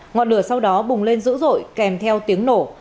ngọn lửa sau đó bùng lên dữ dội kèm theo tiếng nổ